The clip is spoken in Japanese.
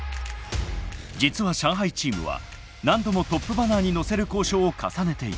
実は上海チームは何度もトップバナーに載せる交渉を重ねていた。